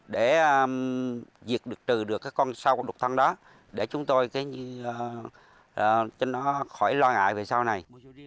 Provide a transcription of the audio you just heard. để việc trừ được con sâu đục thân đó để chúng tôi cho nó khỏi lo ngại về sau này